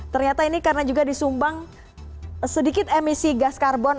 ternyata ini karena juga disumbang sedikit emisi gas karbon